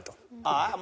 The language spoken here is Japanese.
ああ。